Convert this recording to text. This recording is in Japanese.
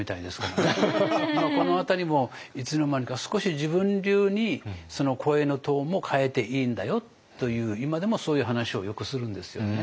でもこの辺りもいつの間にか少し自分流にその声のトーンも変えていいんだよという今でもそういう話をよくするんですよね。